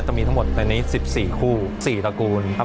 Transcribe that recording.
จะมีทั้งหมดในนี้๑๔คู่๔ตระกูลครับ